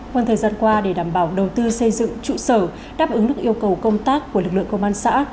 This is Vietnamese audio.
hoàn thời gian qua để đảm bảo đầu tư xây dựng trụ sở đáp ứng được yêu cầu công tác của lực lượng công an xã